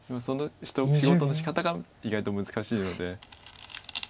その仕事のしかたが意外と難しいので。